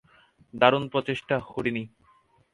দারুণ প্রচেষ্টা, হুডিনি।